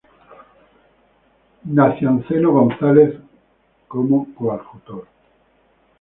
Nacianceno González como coadjutor.